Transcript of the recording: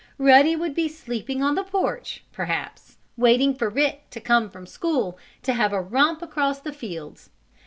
Ruddy would be sleeping on the porch, perhaps, waiting for Rick to come from school to have a romp across the fields.